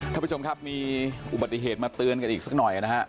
ท่านผู้ชมครับมีอุบัติเหตุมาเตือนกันอีกสักหน่อยนะฮะ